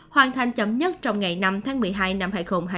hoàn thành chấm nhất trong ngày năm tháng một mươi hai năm hai nghìn hai mươi